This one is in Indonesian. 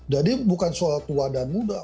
jadi bukan soal tua dan muda